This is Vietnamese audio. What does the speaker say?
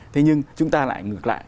thế nhưng chúng ta lại ngược lại